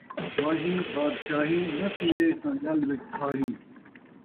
واہی بادشاہی ، ناں تھیوے تاں ڳل وِچ پھاہی